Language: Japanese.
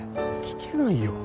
聞けないよ。